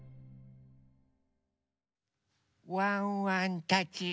ワンワンたち。